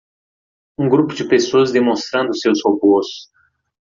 Um grupo de pessoas demonstrando seus robôs.